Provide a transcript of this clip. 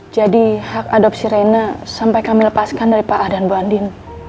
jadi hak adopsi reyna sampai kami lepaskan dari pak a dan bu andin